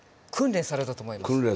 訓練されたと思います。